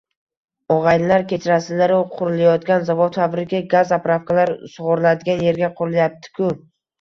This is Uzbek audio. Og‘aynilar, kechirasizlar-u, qurilayotgan zavod-fabrika, “gaz zapravkalar” sug‘oriladigan yerga qurilyapti-ku?